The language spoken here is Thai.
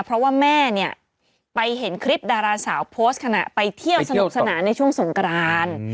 เพราะว่าแม่เนี่ยไปเห็นคลิปดาราสาวโพสต์ขณะไปเที่ยวสนุกสนานในช่วงสงกราน